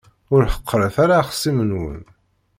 Ur ḥeqqṛet ara axṣim-nwen.